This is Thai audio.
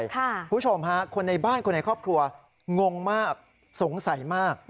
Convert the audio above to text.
คุณผู้ชมฮะคนในบ้านคนในครอบครัวงงมากสงสัยมาก